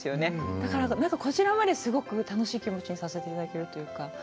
だから、こちらまですごく楽しい気持ちにさせていただけるというか。